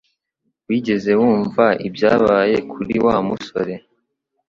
Wigeze wumva ibyabaye kuri Wa musore?